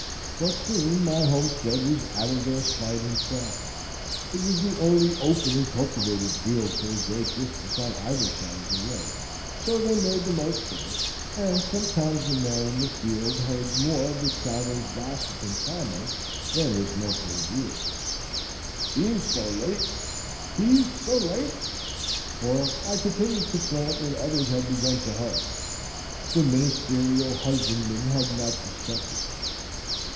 But soon my homestead was out of their sight and thought. It was the only open and cultivated field for a great distance on either side of the road; so they made the most of it; and sometimes the man in the field heard more of travellers' gossip and comment than was meant for his ear: "Beans so late! peas so late!"—for I continued to plant when others had begun to hoe,—the ministerial husbandman had not suspected it.